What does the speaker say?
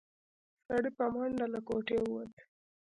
سړی په منډه له کوټې ووت.